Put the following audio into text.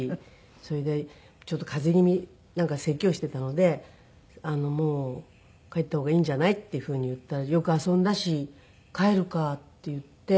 それでちょっと風邪気味なんかせきをしていたので「もう帰った方がいいんじゃない」っていうふうに言ったら「よく遊んだし帰るか」って言って。